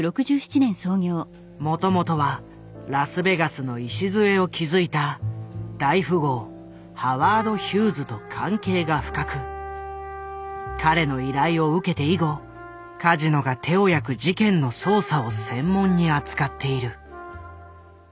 もともとはラスベガスの礎を築いた大富豪ハワード・ヒューズと関係が深く彼の依頼を受けて以後カジノが手を焼く事件の捜査を専門に扱っている。